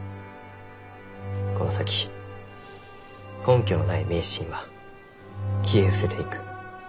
この先根拠のない迷信は消えうせていく。